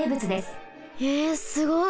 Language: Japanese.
えすごい！